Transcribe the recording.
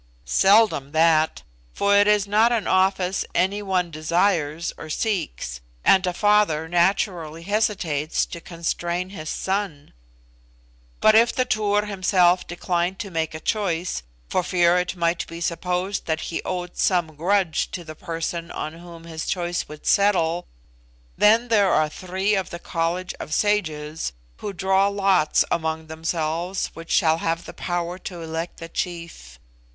"Seldom that; for it is not an office any one desires or seeks, and a father naturally hesitates to constrain his son. But if the Tur himself decline to make a choice, for fear it might be supposed that he owed some grudge to the person on whom his choice would settle, then there are three of the College of Sages who draw lots among themselves which shall have the power to elect the chief.